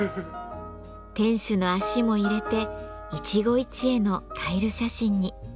店主の足も入れて一期一会のタイル写真に。